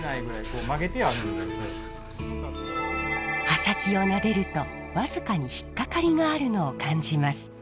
刃先をなでるとわずかにひっかかりがあるのを感じます。